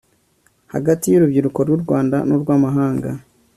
hagati y'urubyiruko rw'u rwanda n'urw'amahanga